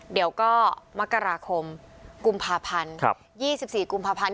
เดี๋ยวก็มกราคมกุมภาพันธ์๒๔กุมภาพันธ์